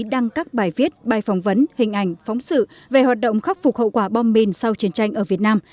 đăng các bài viết bài phỏng vấn hình ảnh phóng sự về hoạt động khắc phục hậu quả bom mìn sau chiến tranh ở việt nam